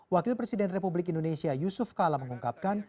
wakil presiden republik indonesia yusuf kala mengungkapkan